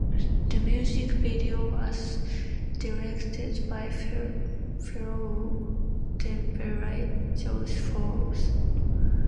The music video was directed by fellow Denverite Josh Forbes.